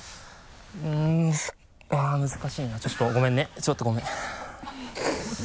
うん難しいなちょっとごめんねちょっとごめん。